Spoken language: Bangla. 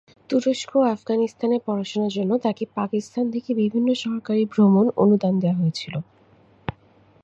তুরস্ক ও আফগানিস্তানে পড়াশুনার জন্য তাকে পাকিস্তান থেকে বিভিন্ন সরকারি ভ্রমণ অনুদান দেওয়া হয়েছিল।